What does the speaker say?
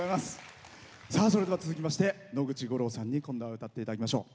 それでは、続きまして野口五郎さんに今度は歌っていただきましょう。